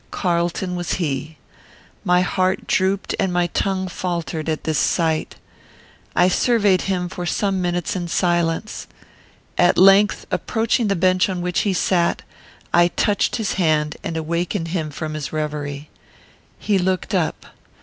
Carlton was he. My heart drooped and my tongue faltered at this sight. I surveyed him for some minutes in silence. At length, approaching the bench on which he sat, I touched his hand and awakened him from his reverie. He looked up.